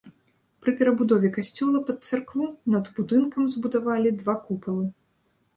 Пры перабудове касцёла пад царкву над будынкам збудавалі два купалы.